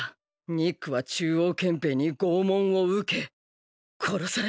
ニックは中央憲兵に拷問を受け殺されたんだ！